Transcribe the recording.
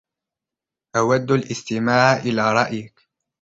أود الاستماع إلى رأيك.